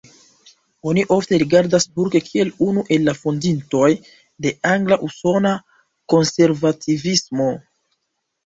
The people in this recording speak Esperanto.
Oni ofte rigardas Burke kiel unu el la fondintoj de angla-usona konservativismo.